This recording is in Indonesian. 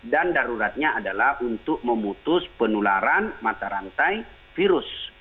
dan daruratnya adalah untuk memutus penularan mata rantai virus